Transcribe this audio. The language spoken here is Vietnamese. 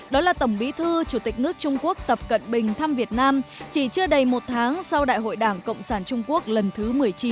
đó là tổng bí thư chủ tịch nước trung quốc tập cận bình thăm việt nam chỉ chưa đầy một tháng sau đại hội đảng cộng sản trung quốc lần thứ một mươi chín